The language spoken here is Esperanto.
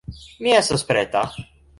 Mi estas preta